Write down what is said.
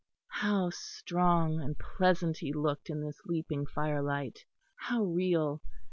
How strong and pleasant he looked in this leaping fire light! how real!